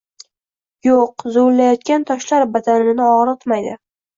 Yo‘q zuvillayotgan toshlar badanini og‘ritmaydi